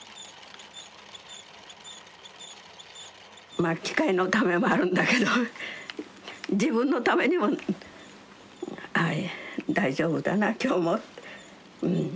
まあ機械のためもあるんだけど自分のためにもああ大丈夫だな今日もうん。